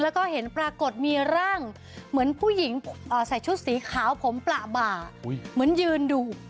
แล้วก็เห็นปรากฏมีร่างเหมือนผู้หญิงใส่ชุดสีขาวผมประบ่าเหมือนยืนดู